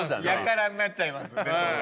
やからになっちゃいます。